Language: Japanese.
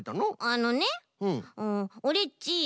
あのねうんオレっち